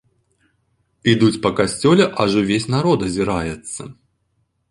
Ідуць па касцёле, аж увесь народ азіраецца!